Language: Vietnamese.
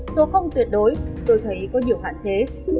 dù không tuyệt đối tôi thấy có nhiều hạn chế